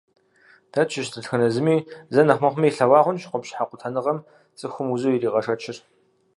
Дэ тщыщ дэтхэнэ зыми зэ нэхъ мыхъуми илъэгъуа хъунщ къупщхьэ къутэныгъэм цӏыхум узу иригъэшэчыр.